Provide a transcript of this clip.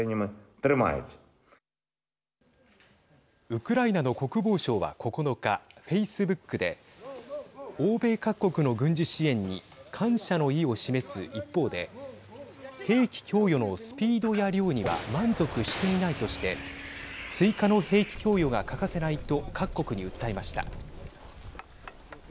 ウクライナの国防相は９日フェイスブックで欧米各国の軍事支援に感謝の意を示す一方で兵器供与のスピードや量には満足していないとして追加の兵器供与が欠かせないと各国に訴えました。